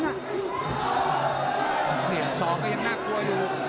แล้วทีมงานน่าสื่อ